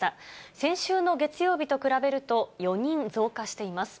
先週の月曜日と比べると、４人増加しています。